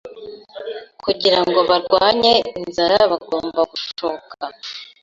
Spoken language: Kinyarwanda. kugira ngo barwanye inzara bagomba gushoka